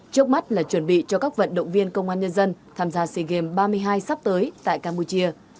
trước mắt là chuẩn bị cho các vận động viên công an nhân dân tham gia sea games ba mươi hai sắp tới tại campuchia